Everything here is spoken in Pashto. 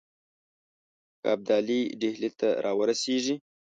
که ابدالي ډهلي ته را ورسیږي.